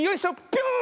ピョーン！